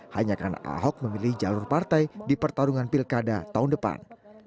hanya karena ahok memilih jalur partai di pertarungan pilkada tahun depan